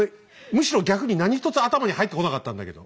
むしろ逆に何一つ頭に入ってこなかったんだけど。